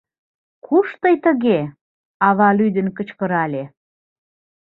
— Куш тый тыге! — ава лӱдын кычкырале.